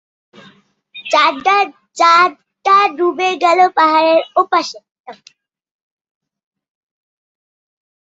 চাঁদটা ডুবে গেল পাহাড়ের ওপাশে।